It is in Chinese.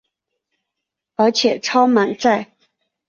而且超满载